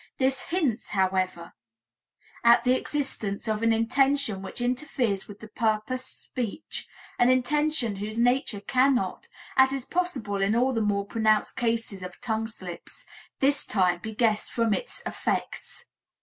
This hints, however, at the existence of an intention which interferes with the purposed speech, an intention whose nature cannot (as is possible in all the more pronounced cases of tongue slips) this time be guessed from its effects.